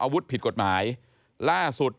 ผิดกฎหมายล่าสุด